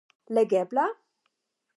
Legebla?